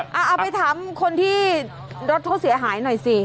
เอาไปถามคนที่รถเขาเสียหายหน่อยสิ